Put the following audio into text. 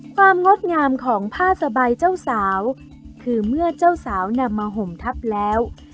งดงามของผ้าสบายเจ้าสาวคือเมื่อเจ้าสาวนำมาห่มทับแล้ว